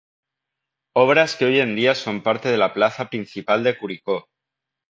Obras que hoy en día son parte de la plaza principal de Curicó.